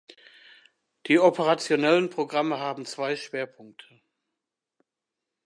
Die operationellen Programme haben zwei Schwerpunkte.